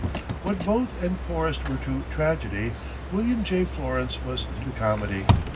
What Booth and Forrest were to tragedy, William J. Florence was to comedy.